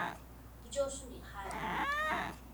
不就是你害的